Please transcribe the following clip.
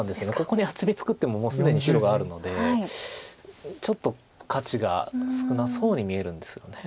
ここに厚み作ってももう既に白があるのでちょっと価値が少なそうに見えるんですよね。